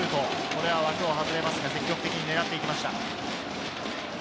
これは枠を外れましたが積極的に狙っていきました。